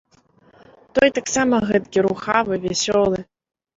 Той таксама гэткі рухавы, вясёлы.